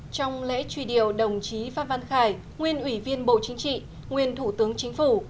trong lễ truy điệu đồng chí phan văn khải nguyên ủy viên bộ chính trị nguyên thủ tướng chính phủ